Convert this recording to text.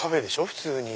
普通に。